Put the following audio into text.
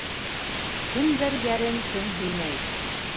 Кемдәр йәрен кем һөймәй!